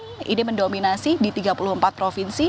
ini mendominasi di tiga puluh empat provinsi